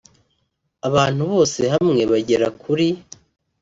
abantu bose hamwe bagera kuri